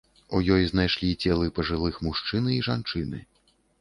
У ёй знайшлі целы пажылых мужчыны і жанчыны.